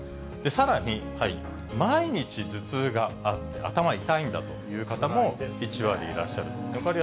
さらに毎日頭痛があって、頭痛いんだという方も１割いらっしゃる。